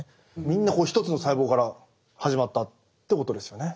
みんな１つの細胞から始まったということですよね。